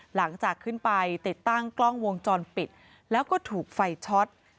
หลังจากขึ้นไปติดตั้งกล้องวงจรปิดแล้วก็ถูกไฟช็อต